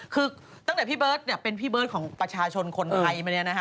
คือตั้งแต่พี่เบิร์ตเป็นพี่เบิร์ตของประชาชนคนไทยมาเนี่ยนะฮะ